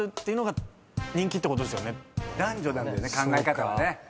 男女なんだよね考え方はね。